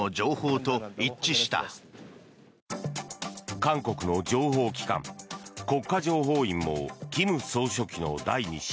韓国の情報機関、国家情報院も金総書記の第２子